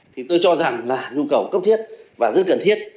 thì tôi cho rằng là nhu cầu cấp thiết và rất cần thiết